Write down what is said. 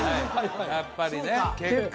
やっぱりね結果？